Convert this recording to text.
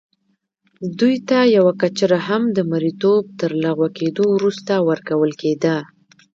دوی ته یوه کچره هم د مریتوب تر لغوه کېدو وروسته ورکول کېده.